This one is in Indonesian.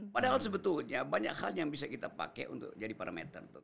padahal sebetulnya banyak hal yang bisa kita pakai untuk jadi parameter